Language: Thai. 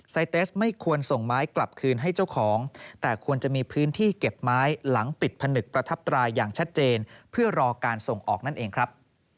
เตสไม่ควรส่งไม้กลับคืนให้เจ้าของแต่ควรจะมีพื้นที่เก็บไม้หลังปิดผนึกประทับรายอย่างชัดเจนเพื่อรอการส่งออกนั่นเองครับ